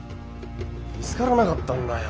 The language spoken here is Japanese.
見つからなかったんだよ。